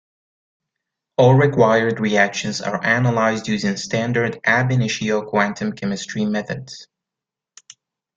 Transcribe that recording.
All required reactions are analyzed using standard ab initio quantum chemistry methods.